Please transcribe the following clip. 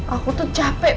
aku tuh capek